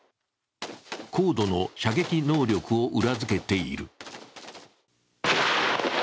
高度の射撃能力を裏付けている。